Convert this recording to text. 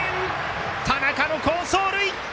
田中の好走塁！